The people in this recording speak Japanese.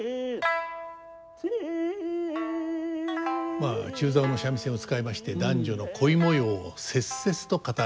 まあ中棹の三味線を使いまして男女の恋模様を切々と語る。